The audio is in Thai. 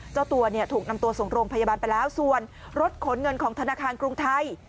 เจ้าตัวเนี่ยถูกนำตัวส่งโรงพยาบาลไปแล้วส่วนรถขนเงินของธนาคารกรุงไทย